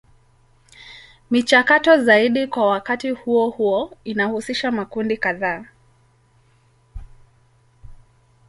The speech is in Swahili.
Michakato zaidi kwa wakati huo huo inahusisha makundi kadhaa.